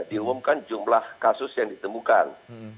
diumumkan jumlah kasus yang ditemukan